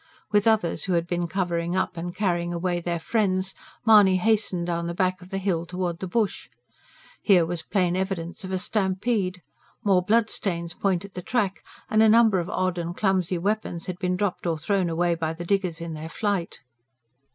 With others who had been covering up and carrying away their friends, Mahony hastened down the back of the hill towards the bush. Here was plain evidence of a stampede. More bloodstains pointed the track, and a number of odd and clumsy weapons had been dropped or thrown away by the diggers in their flight.